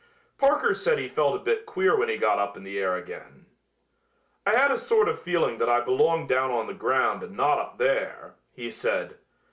Parker said he felt a bit queer when he got up in the air again. "I had a sort of feeling that I belonged down on the ground and not up there," he said.